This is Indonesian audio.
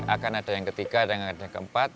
akan ada yang ketiga ada yang ketiga keempat